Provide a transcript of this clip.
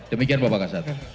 demikian bapak ksad